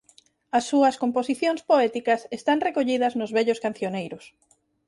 A súas composicións poéticas están recollidas nos vellos cancioneiros.